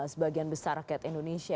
sebagian besar rakyat indonesia